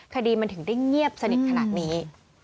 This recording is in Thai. คดีมันถึงได้เงียบสนิทขนาดนี้